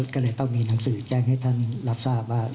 ก็เลยต้องมีหนังสือแจ้งให้ท่านรับทราบว่า